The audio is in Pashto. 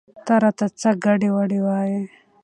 ته راته څه ګډې وګډې وايې؟